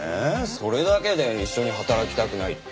それだけで一緒に働きたくないって。